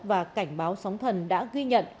và cảnh báo sóng thần đã ghi nhận